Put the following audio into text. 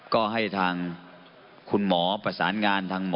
ก็ให้ทางคุณหมอประสานงานทางหมอ